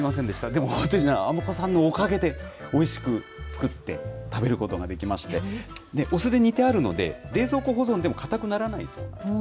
でも本当に、あまこさんのおかげで、おいしく作って、食べることができまして、お酢で煮てあるので、冷蔵庫保存でも硬くならないそうなんです。